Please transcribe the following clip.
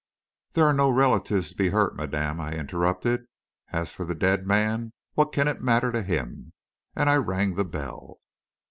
"There are no relatives to be hurt, madame," I interrupted. "As for the dead man, what can it matter to him?" and I rang the bell.